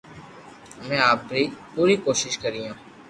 امي آپري پوري ڪوݾݾ ڪريو